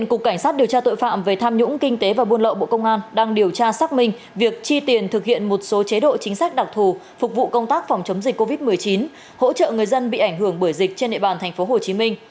cục cảnh sát điều tra tội phạm về tham nhũng kinh tế và buôn lậu bộ công an đang điều tra xác minh việc chi tiền thực hiện một số chế độ chính sách đặc thù phục vụ công tác phòng chống dịch covid một mươi chín hỗ trợ người dân bị ảnh hưởng bởi dịch trên địa bàn tp hcm